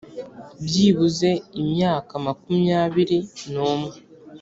byibuze imyaka makumyabiri n umwe